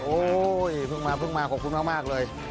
โอ้ทุกมาเพิ่งมาขอบคุณมากเลย